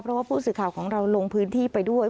เพราะว่าผู้สื่อข่าวของเราลงพื้นที่ไปด้วย